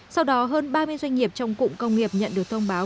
sau đó hơn ba mươi doanh nghiệp trong cụm công nghiệp nhận được thông báo